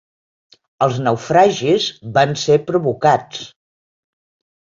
Els naufragis van ser provocats.